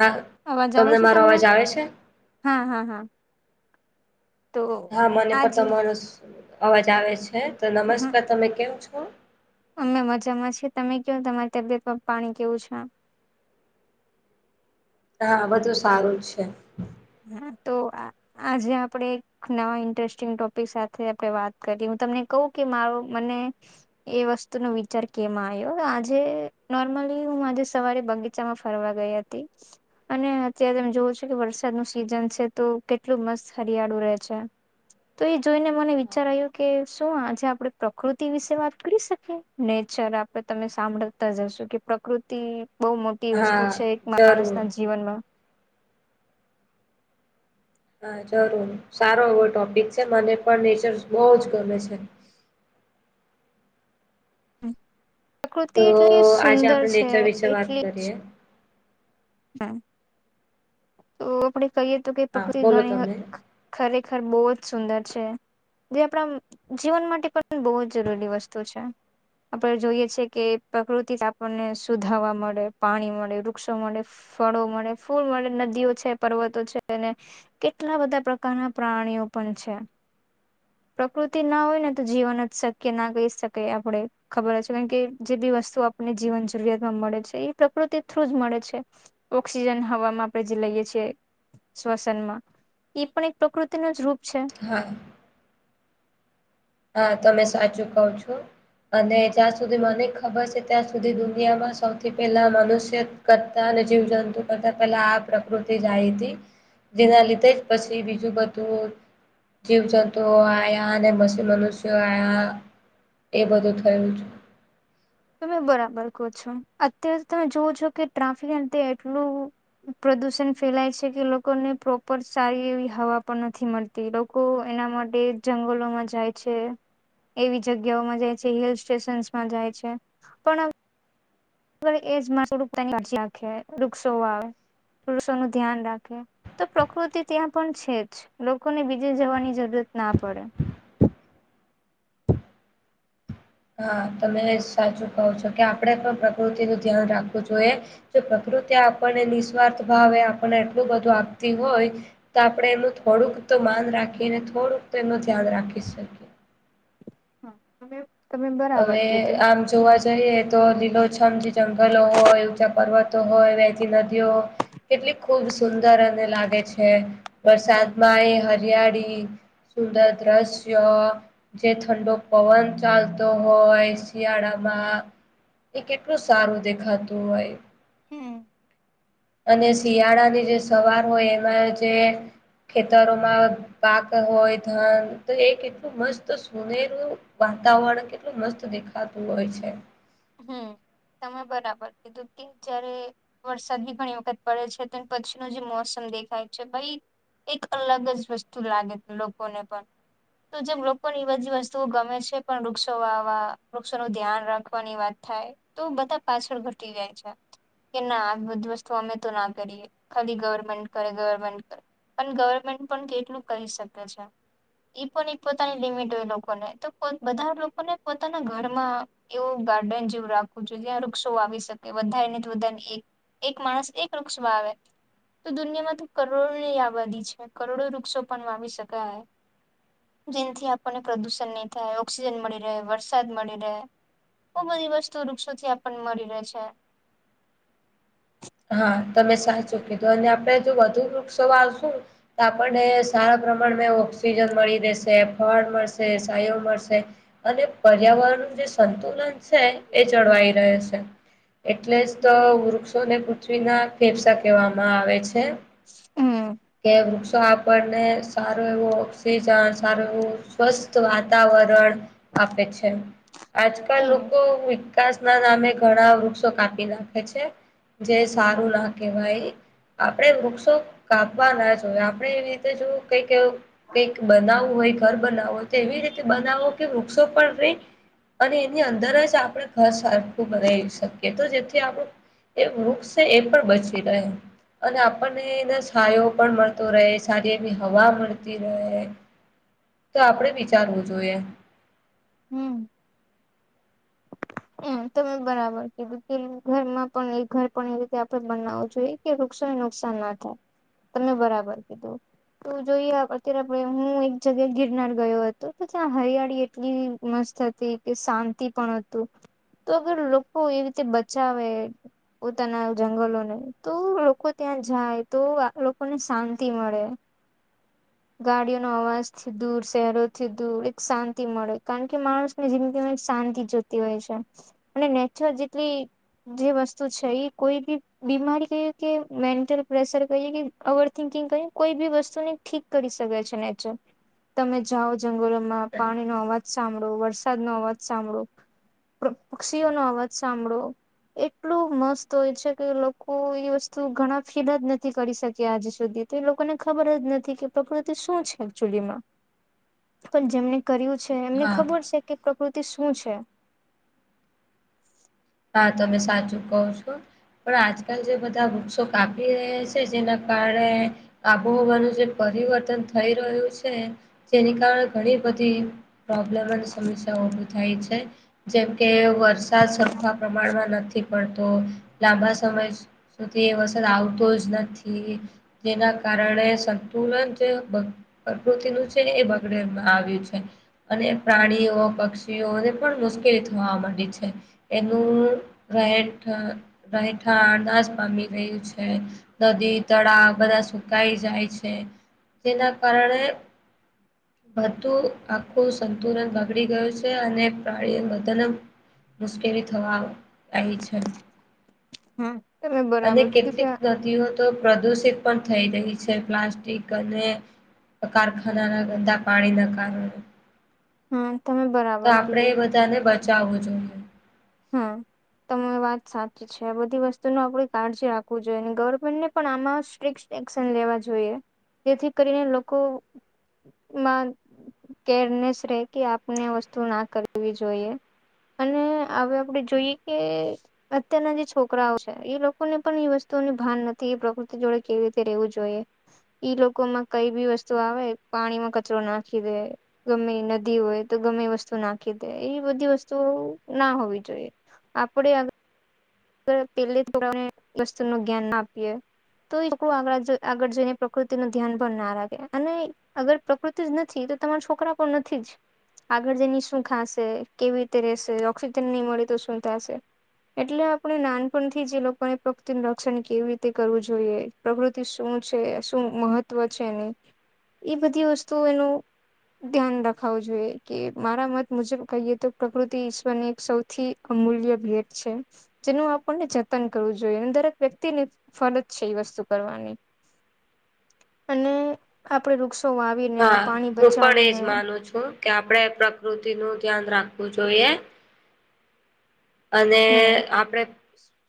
હા અવાજ આવે છે મારો તમને? અવાજ આવે છે હા, હા, હા. તો હા મને આજ પણ તમારો અવાજ આવે છે. તો હા નમસ્કાર. તમે કેમ છો? અમે મજામાં છીએ. તમે કયો, તમારી તબિયત પાણી કેવું છે? હા બધું સારું જ છે. હા તો આ આજે આપણે એક નવા ઇન્ટરેસ્ટિંગ ટોપિક સાથે આપણે વાત કરી. હું તમને કહું કે મારું મને એ વસ્તુનો વિચાર કેમ આયો. આજે નોર્મલી હું આજે સવારે બગીચામાં ફરવા ગઈ હત તી, અને અત્યારે તમે જોવો છો કે વરસ સાદ નું સિઝન છે તો કેટલું મસ્ત હરિયાળું રહે છે. તો એ જોઈને મને વિચાર આયું કે શું આજે આપણે પ્રકૃતિ વિશે વાત કરી શકીએ? નેચર આમ પણ તમે સાંભળતા જ હશો, કે પ્રકૃતિ બહુ મોટી વસ્તુ હા છે એક માણસ જરૂર ના જીવનમાં. હા જરૂર. સારો એવો ટોપિક છે. મને પણ નેચર બહુ જ ગમે છે. પ્રકૃતિ તો એટલી આજે સુંદર આપણે છે, નેચર વિશે વાત એટલી કરીએ જ હમ્મ. તો આપણે કહીએ તો કે હા પ્રકૃતી બોલો ઘણી તમે ખ ખરેખર, બહુ જ સુંદર છે. જે આપણા જીવન માટે પણ બહુ જ જરૂરી વસ્તુ છે. આપણે જોઈએ છીએ કે પ્રકૃતિ આપણને શુદ્ધ હવા મળે, પાણી મળે, વૃક્ષો મળે ફળો મળે, ફૂલ મળે, નજ નદીઓ છે, પર્વતો છે, અને કેટલા બધા પ્રકારના પ્રાણીઓ પણ છે. [inaudible] પ્રકૃતિ ના હોય ને તો જીવન જ શક્ય ના કહી શકાય આપણે. ખબર જ છે. કારણ કે જે બી વસ્તુ આપ ને જીવન જરૂરિયાતમાં મળે છે, ઈ પ્રકૃતિ થ્રુ મળે જ છે. ઓક્સિજન હવામાં આપણે જે લઈએ છીએ શ્વસનમાં, ઈ પણ એક પ્રકૃતિ નો જ રૂપ છે. હા. હા, તમે સાચું કહો છો. અને જ્યાં સુધી મને ખબર છે, ત્યાં સુધી દુનિયામાં સૌથી પહેલા મનુષ્ય કરતા અને જીવજંતુ કરતા પહેલા આ પ્રકૃતિ જા આઈ તી. જેના લીધે જ પછી બીજું બધું જીવ-જંતુ આયા, ને મસ મનુષ્ય આયા એ બધું થયું જ તમે બરાબર કહો છો અત્યારે તમે જોવો છો કે ટ્રાફિક [unintelligible] એટલું... પ્રદૂષણ ફેલાય છે કે લોકોને પ્રોપર સારી એવી હવા પણ નથી મળતી. તે લોકો એના માટે જંગલોમાં જાય છે. એવી જગ્યાઓમાં જાય છે, હિલ સ્ટેશનસમાં જાય છે, પણ... એ જ [unintelligible] રાખે વૃક્ષો આવે વૃક્ષોનું ધ્યાન રાખે. તો પ્રકૃતિ ત્યાં પણ છે જ લોકોને બીજે જવાની જરૂરત ના પડે. હા તમે સાચું કહો છો કે આપણે પણ પ્રકૃતિ નુ ધ્યાન રાખવું જોઈએ. જો પ્રકૃતિ આપણને નિસ્વાર્થ ભાવે આપણને એટલું બધું આપતી હોય. તો આપડણે એનું થોડુંક તો માન રાખીએને થોડુંક તો એનું ધ્યાન રાખી શકીએ. હા તમે તમે બરાબર હવે કીધું આમ જોવા જ જઈએ તો લીલોછમ જે જંગલો હોય ઊંચા પર્વતો હોય વહેતી નદીઓ હો કેટલી ખૂબ સુંદર અને લાગે છે, વરસાદમાં એ હરિયાળી... સુંદર દ્રશ્ય જે ઠંડો પવન ચાલતો... હોય શિયાળામાં એ કેટલું સારું દેખાતું હોય. હમ્મ..... અને શિયાળાની જે સવાર હોય એમાં જે ખેતરોમાં... પાક હોય ધન તો એ કેટલું મસ્ત સુનેરું વાતાવરણ... કેટલું મસ્ત દેખાતું હોય છે. હમ્મ તમે બરાબર કીધું કે... જયારે વરસાદ બી ઘણી વખત પડે છે તે પછી ન જે મોસમ દેખાય છે ભાઈ... એક અલગ જ વસ્તુ લાગે લોકોને પણ. તો જેમ લોકોને એ બધી વસ્તુઓ ગમે છે પણ વૃક્ષો વાવા વૃક્ષોનું ધ્યાન રાખવાની વાત... થાય તો બધા પાછળ ઘટી જાય છે, કે ના આ બધી વસ્તુ અમે તો ના કરીએ. ખાલી ગવર્મેન્ટ કરે ગવર્મેન્ટ કરે પણ ગવર્મેન્ટ પણ કેટલું કરી શકે છે? ઈ પણ એક પોતાની લિમિટ હોય લોકોને તો બધા લોકોને પોતાના ઘરમાં... [unintelligible] ગાર્ડન જેવું રાખવું જોઈએ જ્યાં વૃક્ષો આવી શકે ને વધારેને એક... એક માણસ એક વૃક્ષ વાવે તો દુનિયામાં તો કરોડોની આબાદી છે કરોડો વૃક્ષો પણ વાવી શકાય. જેનથી આપણને પ્રદુષણ નહી થાય ઓક્સિજન મળી રહે વરસાદ મળી રહે... બો બધી વસ્તુ વૃક્ષોથી આપણને મળી રહે છે. હા તમે સાચું કીધો અને આપડે જો વધુ વૃક્ષો વાવશું... તો આપણને સારા પ્રમાણમાં ઓક્સિજન મળી રહેેશે ફળ મળશે સાયડો મળશે. અને પર્યાવરણ નું જે સંતુલન છે એ જળવાઈ રહે છે. એટલે જ તો વૃક્ષોને પૃથ્વીના ફેફસા કહેવામાં આવે છે. [inaudible] હમ... કે વૃક્ષો આપણને સારું એવું ઓક્સિજન સારું એવું સ્વસ્થ વાતાવરણ આપે છે. આજકાલ હમ લોકો તાશ ના નામે ઘણા વૃક્ષો કાપી નાખે છે. જે સારું ના કહેવાય. આપડે વૃક્ષો કાપવા ના જોઈએ આપણે એની રીતે જો કઈક એવું કઈક બનાવવું હોય ઘર બનાવવું હોય તો એવી રીતે બનાવો કે વૃક્ષો પણ રી અને એની અંદર જ આપને ઘર સરખું બનાવી શકીએ તો જેથી આપણું એ વૃક્ષ છે એ પણ બચી રહ્યો અને આપણને એનો છાયો પણ મળતો રહે સારી એવી હવા મળતી રહે. તો આપણે વિચારવું જોઈએ. હમ. હમ તમે બરાબર કીધું કે ઘરમાં પણ એક ઘર પણ એ રીતે આપણે બનાવું જોઈએ. કે વૃક્ષોને નુકસાન ના થાય, તમે બરાબર કીધું. તો જોઈએ અત્યારે આપણે હું એક જગ્યાએ ગિરનાર ગયો હતો, તો ત્યાં હરિયાળી એટલી મસ્ત હતી. કે શાંતિ પણ હતું તો અગર લોકો એ રીતે બચાવે પોતાના જંગલોને તો લોકો ત્યાં જાય તો લોકોને શાંતિ મળે. ગાડીઓના અવાજથી દૂર, શહેરોથી દૂર એક શાંતિ મળે, કારણ કે માણસ જેમ કે મે શાંતિ જોતી હોય છે, અને નેચરલ જેટલી જે વસ્તુ છે એ કોઈ બી બીમારી કહીએ કે મેન્ટલ પ્રેશર કહીએ કે ઓવર થિંકિંગ કહીએ, કોઈ બી વસ્તુને ઠીક કરી શકે છે નેચર. તમે જાઓ જંગલોમાં પાણીનો અવાજ સાંભળો, વરસાદનો અવાજ સાંભળો. પક્ષીઓનો અવાજ સાંભળો. એટલું મસ્ત હોય છે કે લોકો એ વસ્તુ ઘણા ફીલ જ નથી કરી શક્યા આજ સુધી. તે લોકોને ખબર જ નથી કે પ્રકૃતિ શું છે એકચુલીમાં? પણ જેમને કર્યું છે અમને હા ખબર છે કે પ્રકૃતિ શું છે. હા. તમે સાચું કહો છો. પણ આજકાલ જે બધા વૃક્ષો કાપી રહ્યા છે જેના કારણે આબોહવાનું જે પરિવર્તન થઈ રહ્યું છે. જેને કારણે ઘણી બધી પ્રોબ્લમ અને સમસ્યાઓ ઊભી થાય છે. જેમકે વરસાદ સરખા પ્રમાણમાં નથી. પડતો, લાંબા સમય સુધી વરસાદ આવતો જ નથી. જેના કારણે સંતુલન કે પ્રકૃતિનું છે એ બગડે એમ આવ્યું છે. અને પ્રાણીઓ, પક્ષીઓને પણ મુશ્કેલી થવા માંડી છે. નું રહેઠા રહેઠા નાસ પામી રહ્યું છે. નદી, તળાવ બધા સુકાઈ જાય છે, જેના કારણે વધુ આખું સંતુલન બગડી ગયું છે અને પાણી બધાને મુશ્કેલી થવા આવી છે હમ તમે અને બરાબર કીધું કેટલીક કે દિઓ તો પ્રદુષિત પણ થઈ રહી છે, પ્લાસ્ટિક અને કારખાનાના ગંદા પાણીના કારણે. હા તમે તો બરાબર આપણે કીધું એ બધાને બચાવવું જોઈએ. હમ. તમારી વાત સાચી છે, આ બધી વસ્તુનો આપણે કાળજી રાખવું જોઈએ અને ગવર્મેન્ટને પણ આમાં સ્ટ્રિક એક્શન લેવા જોઈએ, જેથી કરીને લોકો માં કેર નેસ રહે કે આપણે આ વસ્તુ ના કરવી જોઈએ અને હવે આપણે જોઈએ કે અત્યારના જે છોકરાઓ છે, એ લોકોને પણ એ વસ્તુઓનું ભાન નથી. એ પ્રકૃતિ સાથે કેવી રીતે રહેવું જોઈએ? એ લોકોમાં કંઈ બીજી વસ્તુ આવે, પાણીમાં કચરો નાખી દે ગમે નદી હોય તો ગમે તે વસ્તુ નાખી દે, એવી બધી વસ્તુઓ. ના હોવી જોઈએ આપણી [unintelligible] વસ્તુનું જ્ઞાન ના આપીએ. તો એ લોકો આગળ આગળ જઈને પ્રકૃતિનું ધ્યાન પણ ના રાખે અને અગર પ્રકૃતિ જ નથી તો તમારા છોકરા પણ નથી જ. આગળ જઈને શું ખાશે, કેવી રીતે રહેશે? ઓક્સિજન નહીં મળે તો શું થશે? એટલે એટલે નાનપણથી જ એ લોકોને પ્રકૃતિનું રક્ષણ કેવી રીતે કરવું જોઈએ, પ્રકૃતિ શું છે શું મહત ત્વ છે એનું એ બધી વસ્તુઓનું ધ્યાન રખાવું જોઈએ. કે મારા મત મુજબ કહીએ તો પ્રકૃતિ ઈશ્વરની એક સૌથી અમૂલ્ય ભેટ છે. જેનું આપણને જતન કરવું જોઈએ અને દરેક વ્યક્તિની ફરજ છે એ વસ્તુ કરવાની. અને આપણે વૃક્ષો વાવ. હા, હું પણ એ જ માનું છું કે આપણે પ્રકૃતિનું ધ્યાન રાખવું જોઈએ. અને હમ આપણે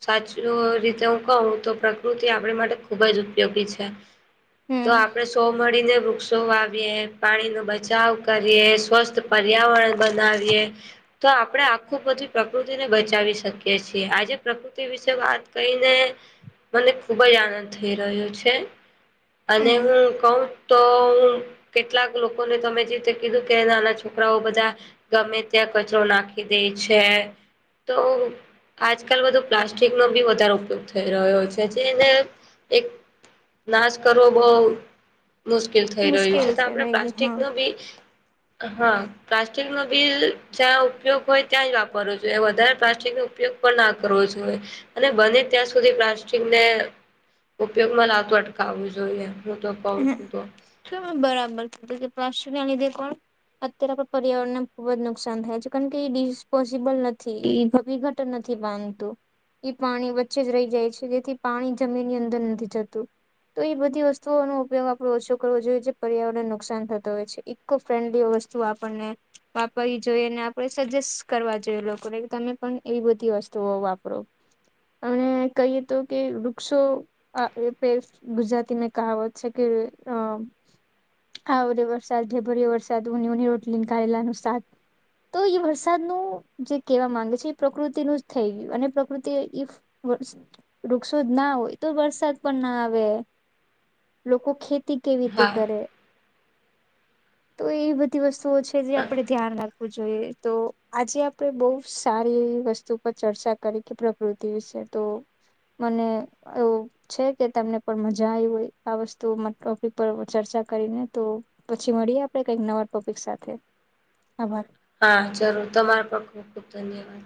સાચુ રીતે હું કહું તો, પ્રકૃતિ આપણી માટે ખૂબ જ ઉપયોગી છે. તો હમ આપણે સૌ મળીને વૃક્ષો વાવીએ, પાણી ન બચાવ કરીએ, સ્વસ્થ પર્યાવરણ બનાવીએ, તો આપણે આખું બધું [unintelligible] તો જ એને બચાવી શકીએ છીએ. આજે પ્રકૃતિ વિશે વાત કરીને. મને ખૂબ જ આનંદ થઈ રહ્યો છે અને હમ હું કહું તો હું કેટલાક લોકોને, તમે જે રીતે કીધું કે નાના છોકરાઓ બધા ગમે ત્યાં કચરો નાખી દે છે તો આજકાલ બધો પ્લાસ્ટિકનો બી વધારે ઉપયોગ થઈ રહ્યો છે, જેને એક નાશ કરવો બહુ મુશ્કેલ થઈ રહ્યું મુશ્કેલ છે, તો આપણે થઈ ગયું હા પ્લાસ્ટિકની બી હા, પ્લાસ્ટિકનો બી જ્યાં ઉપયોગ હોય ત્યાં જ વાપરવું. એટલે વધારે પ્લાસ્ટિકનો ઉપયોગ પણ ના કરવો જોઈએ. અને બને ત્યાં સુધી પ્લાસ્ટિકને ઉપયોગમાં લાવતું અટકાવવું જોઈએ. હું તો કહું હમ છું તો. [unintelligible] બરાબર છે, એટલે [unintelligible] ના લીધે કોણ? અત્યારે આપણા પર્યાવરણને ખૂબ જ નુકસાન થાય છે, કારણ કે એ ડિસ્પોઝેબલ નથી. [unintelligible] તો નથી બનતું. એ પાણી વચ્ચે જ રહી જાય છે, જેથી પાણી જમીનની અંદર નથી જતું, તો એ બધી વસ વસ્તુઓનો ઉપયોગ આપણે ઓછો કરવો જોઈએ, જે પર્યાવરણને નુકસાન થતો હોય છે. ઇકો-ફ્રેન્ડલી વસ્તુઓ આપણને વાપરવી જોઈએ ને, અને આપણે સજેસ્ટ કરવા જોઈએ લોકોને કે તમે પણ એવી બધી વસ્તુઓ વાપરો. અને કહીએ તો કે વૃક્ષો અ [unintelligible] ગુજરાતીને કહાવત છે કે હમ્મ આવરે વરસાદ ઢેબરિયો વરસાદ ઉની ઉની રોટલીને કરેલાનું શાક. તો એ વરસાદનું જે કહેવા માંગે છે એ પ્રકૃતિનું જ થઈ ગયું અને પ્રકૃતિ [unintelligible] [unintelligible] વૃક્ષો જ ના હોય તો વરસાદ પણ ન આવે. લોકો ખેતી કેવી રીતે હા કરે? તો એવી બધી વસ્તુઓ છે. કે જે આપણે ધ્યાન રાખ જોઈએ તો આજે આપણે બહુ સારી એવી વસ્તુ પર ચર્ચા કરી. કે પ્રકૃતિ વિશે તો મને એવુ છે કે તમને પણ મજા આઇ હોય. આ વસ્તુમાં ટોપિક પર હવે ચર્ચા કરીને તો પછી મળીએ આપડે કંઈક નવા ટોપિક સાથે આભાર. હા જરૂર, તમારા પણ ખુબ ખુબ ધન્યવાદ.